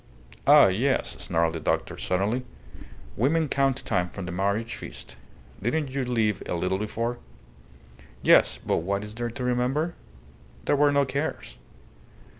"Ah, yes!" snarled the doctor, suddenly. "Women count time from the marriage feast. Didn't you live a little before?" "Yes; but what is there to remember? There were no cares."